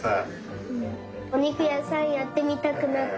おにくやさんやってみたくなった！